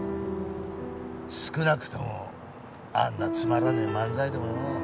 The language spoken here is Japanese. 少なくともあんなつまらねえ漫才でもよ